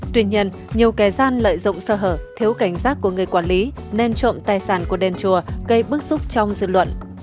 tuy nhiên nhiều kẻ gian lợi dụng sơ hở thiếu cảnh giác của người quản lý nên trộm tài sản của đền chùa gây bức xúc trong dư luận